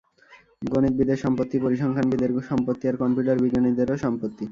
গনিতবিদের সম্পত্তি, পরিসংখ্যান বিদের সম্পত্তি আর কম্পিউটার বিজ্ঞানীদেরও সম্পত্তি।